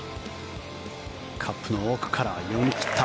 カップの奥から読み切った。